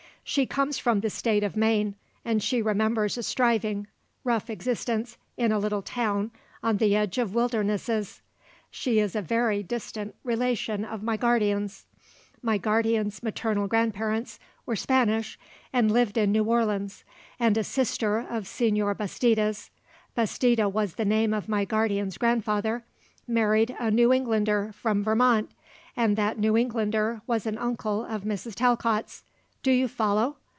She comes from the State of Maine, and she remembers a striving, rough existence in a little town on the edge of wildernesses. She is a very distant relation of my guardian's. My guardian's maternal grandparents were Spanish and lived in New Orleans, and a sister of Señor Bastida's (Bastida was the name of my guardian's grandfather) married a New Englander, from Vermont and that New Englander was an uncle of Mrs. Talcott's do you follow!